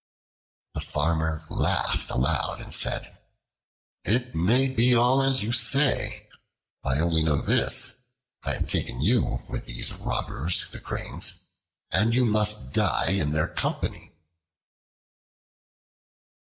The Farmer laughed aloud and said, "It may be all as you say, I only know this: I have taken you with these robbers, the Cranes, and you must die in their company."